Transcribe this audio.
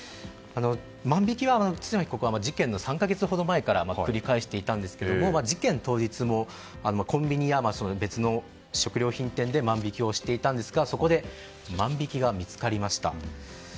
万引きは、対馬被告は事件の３か月ほど前から繰り返していたんですけれども事件当日もコンビニや別の食料品店で万引きをしていたんですがそこで万引きが見つかりました。